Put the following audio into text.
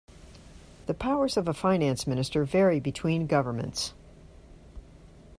The powers of a finance minister vary between governments.